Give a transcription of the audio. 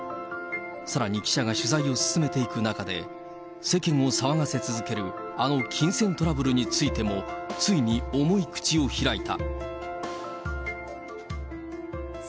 さらに記者が取材を進めていく中で、世間を騒がせ続けるあの金銭トラブルについても、ついに重い口を開いた。